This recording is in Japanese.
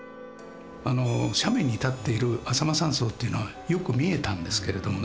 あの斜面に建っているあさま山荘っていうのはよく見えたんですけれどもね